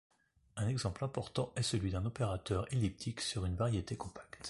Un exemple important est celui d'un opérateur elliptique sur une variété compacte.